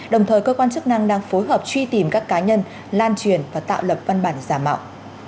đồng thời cơ quan chức năng đang phối hợp truy tìm các cá nhân lan truyền và tạo lập văn bản giả mạo